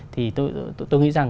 thì tôi nghĩ rằng